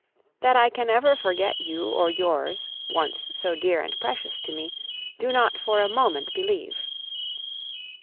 That I can ever forget you or yours, once so dear and precious to me, do not for a moment believe.